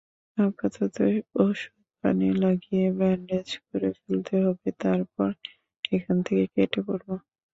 আপাতত ওষুধ-পানি লাগিয়ে ব্যান্ডেজ করে ফেলতে হবে, তারপর এখান থেকে কেটে পড়ব।